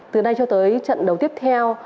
từ nay cho tới trận đấu tiếp theo